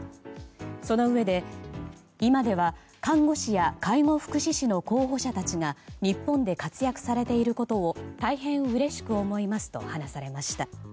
そのうえで、今では看護師や介護福祉士の候補者たちが日本で活躍されていることを大変うれしく思いますと話されました。